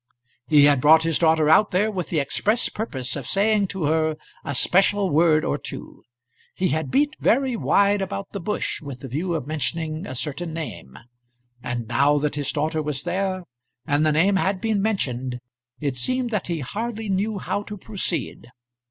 He had brought his daughter out there with the express purpose of saying to her a special word or two; he had beat very wide about the bush with the view of mentioning a certain name; and now that his daughter was there, and the name had been mentioned, it seemed that he hardly knew how to proceed.